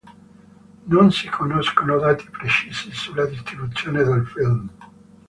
Non si conoscono dati precisi sulla distribuzione del film.